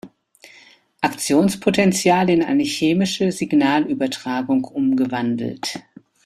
Aktionspotentiale in eine chemische Signalübertragung umgewandelt.